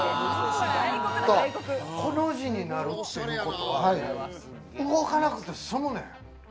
コの字になるっていうことは動かなくて済むねん。